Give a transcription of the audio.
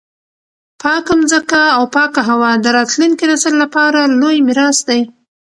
پاکه مځکه او پاکه هوا د راتلونکي نسل لپاره لوی میراث دی.